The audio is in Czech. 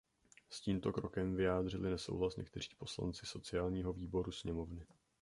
S tímto krokem vyjádřili nesouhlas někteří poslanci sociálního výboru sněmovny.